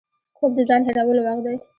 خوب د ځان هېرولو وخت دی